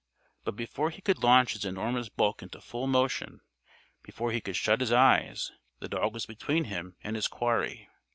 But before he could launch his enormous bulk into full motion before he could shut his eyes the dog was between him and his quarry.